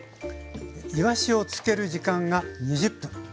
いわしをつける時間が２０分。